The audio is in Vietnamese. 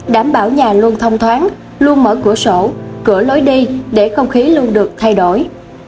đảm bảo nhà luôn thông thoáng luôn mở cửa sổ cửa lối đi để không khí luôn được thay đổi